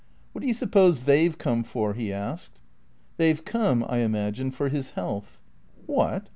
"What do you suppose they've come for?" he asked. "They've come, I imagine, for his health." "What?